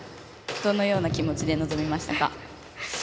どのような気持ちで臨みましたか。